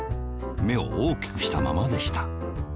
めをおおきくしたままでした。